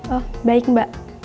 oh baik mbak